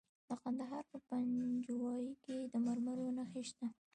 د کندهار په پنجوايي کې د مرمرو نښې شته.